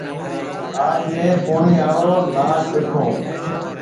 آج ميه پوڻِي آݪو ناگ ڏيٺو هون۔